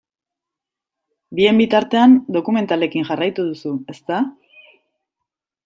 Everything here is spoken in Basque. Bien bitartean dokumentalekin jarraitu duzu, ezta?